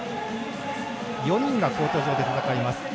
４人がコート上で戦います。